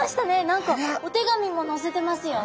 何かお手紙ものせてますよ。